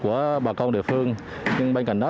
của bà con địa phương nhưng bên cạnh đó